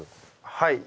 はい